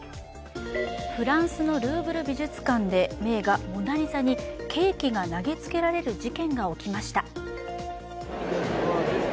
フランスのルーブル美術館で名画「モナ・リザ」にケーキが投げつけられる事件が起きました。